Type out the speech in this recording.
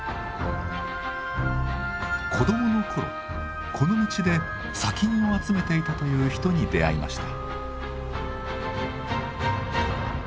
子どもの頃この道で砂金を集めていたという人に出会いました。